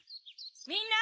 ・みんな！